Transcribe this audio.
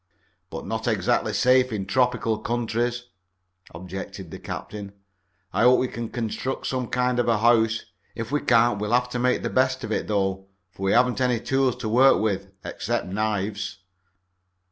"But not exactly safe in tropical countries," objected the captain. "I hope we can construct some kind of a house. If we can't we'll have to make the best of it, though, for we haven't any tools to work with, except knives."